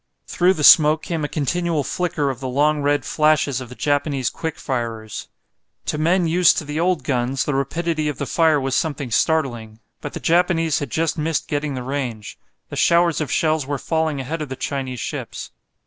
Through the smoke came a continual flicker of the long red flashes of the Japanese quick firers. To men used to the old guns the rapidity of the fire was something startling. But the Japanese had just missed getting the range. The showers of shells were falling ahead of the Chinese ships.